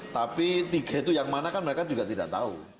tapi tiga itu yang mana kan mereka juga tidak tahu